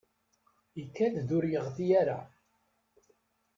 Ikad-d ur yeɣti ara.